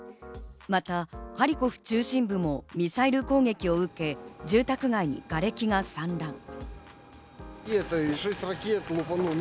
またハリコフ中心部もミサイル攻撃を受け、住宅街にがれきが散乱。